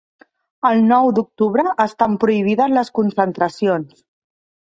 El Nou d'Octubre estan prohibides les concentracions